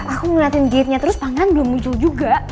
aku ngeliatin gate nya terus pangeran belum muncul juga